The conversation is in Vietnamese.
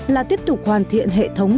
là tiếp tục hoàn thiện hệ thống